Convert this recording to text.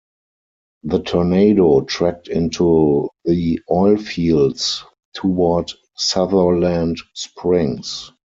The tornado tracked into the oil fields toward Sutherland Springs.